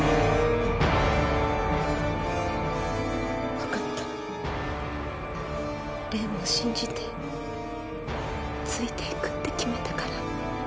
わかった。を信じてついていくって決めたから。